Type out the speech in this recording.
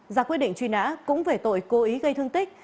ra quyết định truy nã cũng về tội cố ý gây thương tích